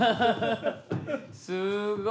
すごい。